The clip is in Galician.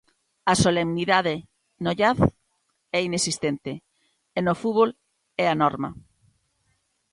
A solemnidade, no jazz, é inexistente, e no fútbol é a norma.